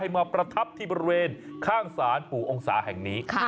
มาประทับที่บริเวณข้างศาลปู่องศาแห่งนี้